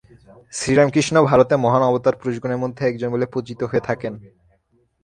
শ্রীরামকৃষ্ণ ভারতে মহান অবতারপুরুষগণের মধ্যে একজন বলে পূজিত হয়ে থাকেন।